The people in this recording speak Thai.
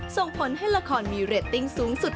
ส่งผลให้ละครมีเรตติ้งสูงสุด